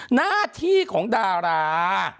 หน้าที่ของดารา